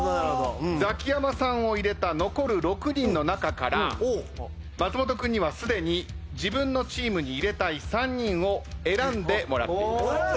ザキヤマさんを入れた残る６人の中から松本君にはすでに自分のチームに入れたい３人を選んでもらっています。